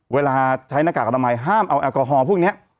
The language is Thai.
เวลาใช้หน้ากากอนามัยห้ามเอาแอลกอฮอลพวกนี้